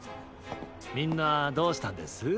みんなどうしたんです？